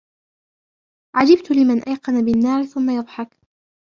عَجِبْت لِمَنْ أَيْقَنَ بِالنَّارِ ثُمَّ يَضْحَكُ